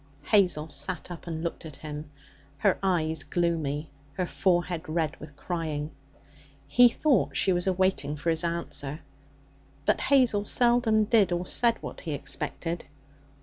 Hazel sat up and looked at him, her eyes gloomy, her forehead red with crying. He thought she was awaiting for his answer; but Hazel seldom did or said what he expected.